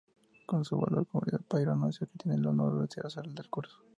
Con su labor concluida, Poirot anuncia que tiene "el honor de retirarse del caso".